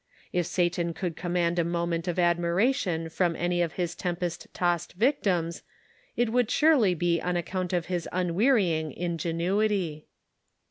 If Satan could command a moment of admira tion from any of his tempest tossed victims, it would surely be on account of his unwearying ingenuity.